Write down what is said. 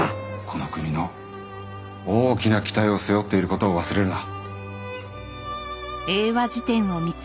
この国の大きな期待を背負っている事を忘れるな。